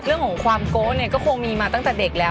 เรื่องของความโก๊เนี่ยก็คงมีมาตั้งแต่เด็กแล้ว